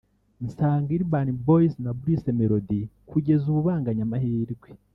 nsanga Urban Boyz na Bruce Melody kugeza ubu banganya amahirwe